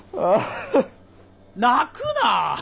泣くな。